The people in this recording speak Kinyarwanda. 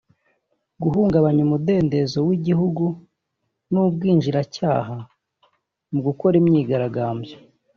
guhungabanya umudendezo w’igihugu n’ubwinjiracyaha mu gukora imyigaragambyo